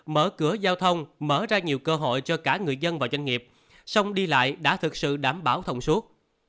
mở cửa giao thông mở ra nhiều cơ hội cho cả người dân và doanh nghiệp sông đi lại đã thực sự đảm bảo thông suốt